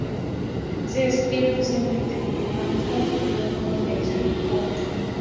Se describe oficialmente por Namco como un "juego de acción cómica".